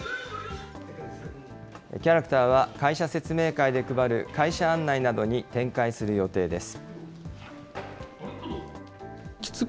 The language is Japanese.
キャラクターは会社説明会で配る会社案内などに展開する予定です。